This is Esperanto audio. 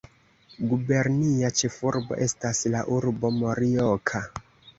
Gubernia ĉefurbo estas la urbo Morioka.